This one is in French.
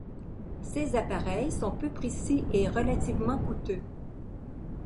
Ces appareils sont peu précis et relativement coûteux.